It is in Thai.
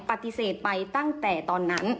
ปฏิเสธไปตั้งแต่ตอนนั้น